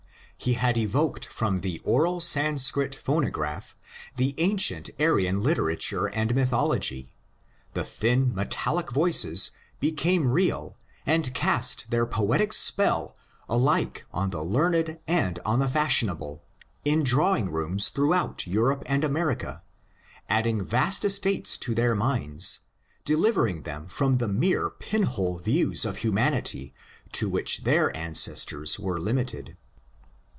He had evoked from the oral Sanskrit phonograph the ancient Aryan literature and mythology; the thin, metallic voices became real and cast their poetic spell alike on the learned and on the fashionable in drawing rooms throughout Europe and Amer ica, adding vast estates to their minds, delivering them from the mere pin hole views of humanity to which their ancestors were limited.